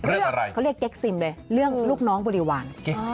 เรื่องอะไรเขาเรียกเก๊กซิมเลยเรื่องลูกน้องบริวาร